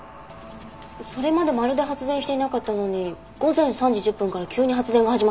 それまでまるで発電していなかったのに午前３時１０分から急に発電が始まってます。